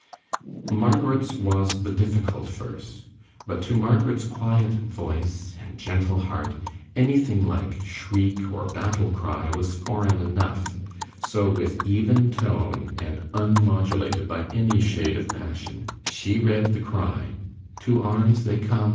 Margaret's was the difficult verse. But to Margaret's quiet voice and gentle heart, anything like shriek or battle cry was foreign enough, so with even tone, and unmodulated by any shade of passion, she read the cry, "To arms! They come!